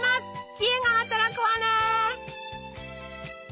知恵が働くわね！